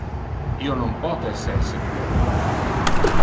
Io non pote esser secur.